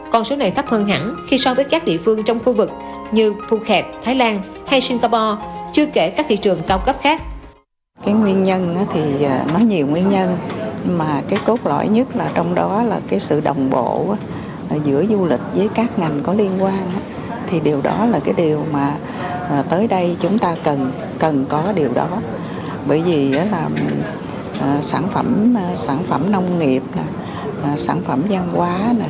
còn số này thấp hơn hẳn khi so với các địa phương trong khu vực như phu khẹp thái lan hay singapore chưa kể các thị trường cao cấp khác